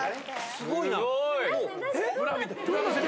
すごいな。